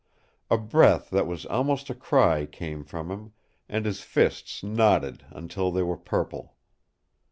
A breath that was almost a cry came from him, and his fists knotted until they were purple.